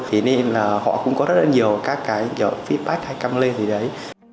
thế nên là họ cũng có rất là nhiều các cái feedback hay căm lên gì đấy